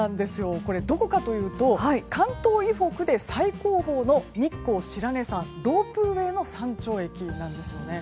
どこかというと関東以北で最高峰の日光白根山ロープウェーの山頂駅になるんです。